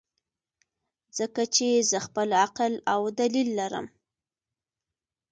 ځکه چې زۀ خپل عقل او دليل لرم -